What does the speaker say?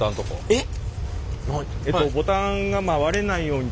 えっ！